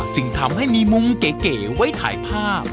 จึงทำให้มีมุมเก๋ไว้ถ่ายภาพ